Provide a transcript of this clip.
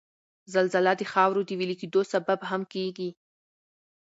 زلزله د د خاورو د ویلي کېدو سبب هم کیږي